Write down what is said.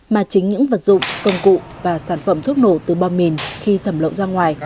mà chính những vật dụng công cụ và sản phẩm thuốc nổ từ bom mìn khi thẩm lậu ra ngoài